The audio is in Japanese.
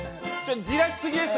じらしすぎです。